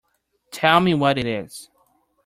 Tell me what it is.